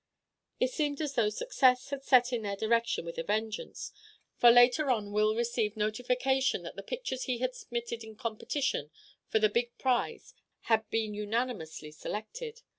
It seemed as though success had set in their direction with a vengeance, for later on Will received notification that the pictures he had submitted in competition for the big prize had been unanimously selected.